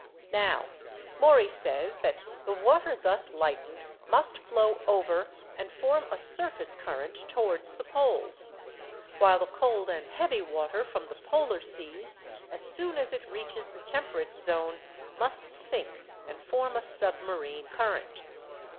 Now, Maury says that the water thus lightened must flow over and form a surface current towards the Poles; while the cold and heavy water from the polar seas, as soon as it reaches the temperate zone, must sink and form a submarine current.